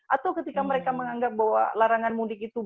atau ketika mereka menganggap bahwa larangan mudik itu